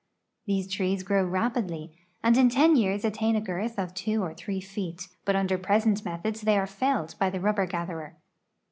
r These trees grow rapidly, and in ten years attain a girth of two or three feet, but under present methods they are felled by the riibber gatherer.